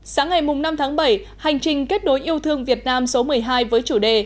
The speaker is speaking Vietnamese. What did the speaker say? sáng ngày năm tháng bảy hành trình kết đối yêu thương việt nam số một mươi hai với chủ đề